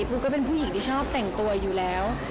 ปูก็เป็นผู้หญิงที่ชอบแต่งตัวอยู่แล้ว